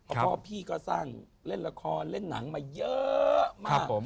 เพราะพี่ก็สร้างเล่นละครเล่นหนังมาเยอะมาก